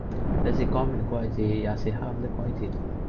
這是光明的季節，也是黑暗的季節，